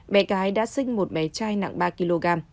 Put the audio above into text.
bé gái đã sinh một bé trai nặng ba kg